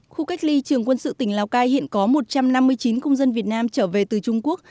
khu cách ly trường quân sự tỉnh lào cai hiện có một trăm năm mươi chín công dân việt nam trở về từ trung quốc